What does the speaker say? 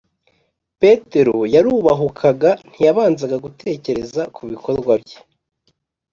petero yarahubukaga; ntiyabanzaga gutekereza ku bikorwa bye